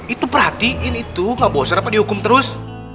itu perhatiin itu gak bosen apa dihukum terus